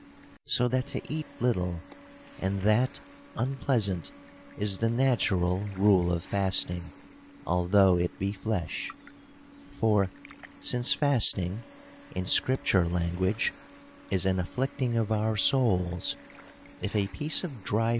So that to eat little, and that unpleasant, is the natural rule of fasting; although it be flesh. For, since fasting, in scripture language, is an afflicting of our souls, if a piece of dry THE COUNTRY PARSON.